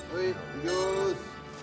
いきまーす。